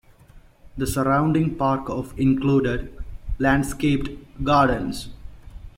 The surrounding park of included landscaped gardens.